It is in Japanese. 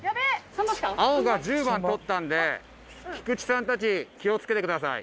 青が１０番取ったんで菊池さんたち気を付けてください。